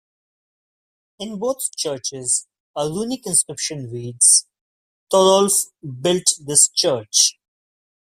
In both churches a runic inscription reads: "Torolf built this church".